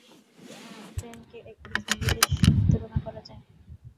প্রেমকে একটি ত্রিভুজের সহিত তুলনা করা যায়।